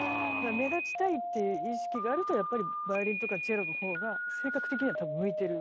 目立ちたいっていう意識があるとやっぱりバイオリンとかチェロのほうが性格的には多分向いてる。